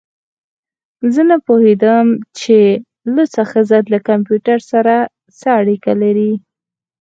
زه نه پوهیږم چې لوڅه ښځه له کمپیوټر سره څه اړیکه لري